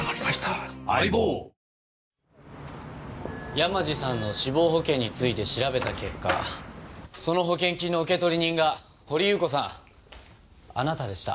山路さんの死亡保険について調べた結果その保険金の受取人が掘祐子さんあなたでした。